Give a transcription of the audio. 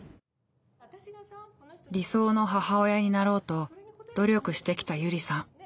理想の母親になろうと努力してきたゆりさん。